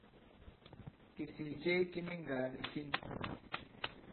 Kìsìì ce ki ni ŋgàà nì fin.